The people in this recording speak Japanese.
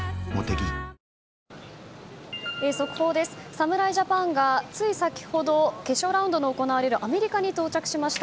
侍ジャパンがつい先ほど決勝ラウンドが行われるアメリカに到着しました。